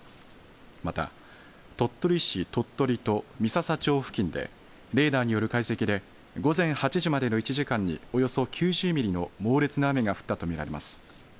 また、鳥取市鳥取と三朝町付近でレーダーによる解析で午前８時までの１時間におよそ９０ミリの猛烈な雨が降ったと見られます。